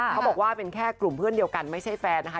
เขาบอกว่าเป็นแค่กลุ่มเพื่อนเดียวกันไม่ใช่แฟนนะคะ